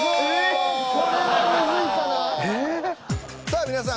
さあ皆さん